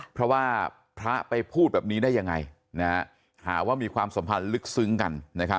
เพราะว่าพระไปพูดแบบนี้ได้ยังไงหาว่ามีความสัมพันธ์ลึกซึ้งกัน